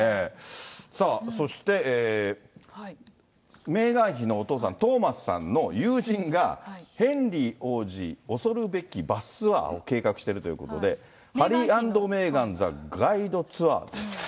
さあ、そしてメーガン妃のお父さん、トーマスさんの友人が、ヘンリー王子、おそるべきバスツアーを計画してるということで、ハリー＆メーガン・ザ・ガイドツアー。